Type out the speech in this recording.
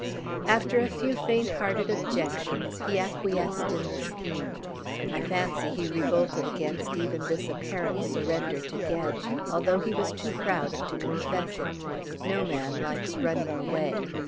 After a few faint hearted objections he acquiesced in the scheme. I fancy he revolted against even this apparent surrender to Gedge, although he was too proud to confess it. No man likes running away.